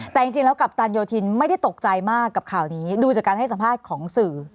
แต่จริงแล้วกัปตันโยธินไม่ได้ตกใจมากกับข่าวนี้ดูจากการให้สัมภาษณ์ของสื่อ